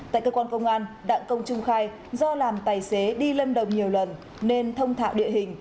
tại cơ quan công an đặng công trung khai do làm tài xế đi lâm đồng nhiều lần nên thông thạo địa hình